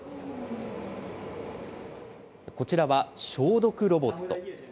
こちらは消毒ロボット。